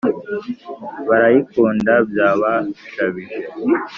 Barayikunda byabashabije!